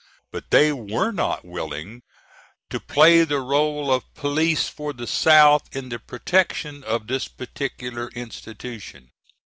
But they were not willing to play the role of police for the South in the protection of this particular institution.